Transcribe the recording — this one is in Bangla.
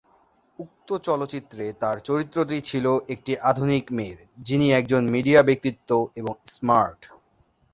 উক্ত চলচ্চিত্রে তাঁর চরিত্রটি ছিল একটি আধুনিক মেয়ের, যিনি একজন মিডিয়া ব্যক্তিত্ব এবং স্মার্ট।